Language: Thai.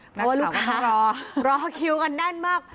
เพราะว่าลูกค้ารอคิวกันแน่นมาก